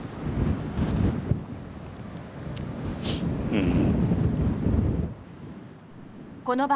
うん。